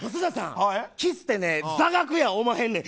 キスって座学やおまへんねん。